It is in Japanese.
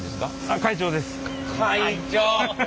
会長！